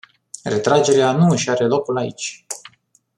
Retragerea nu își are locul aici.